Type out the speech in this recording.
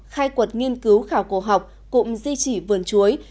khai quật nghiên cứu khảo cổ học cụm di trị vườn chuối